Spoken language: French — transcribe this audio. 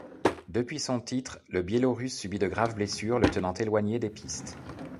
Depuis son titre, le Biélorusse subit de grave blessures le tenant éloigné des pistes.